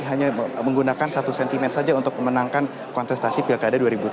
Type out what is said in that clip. hanya menggunakan satu sentimen saja untuk memenangkan kontestasi pilkada dua ribu tujuh belas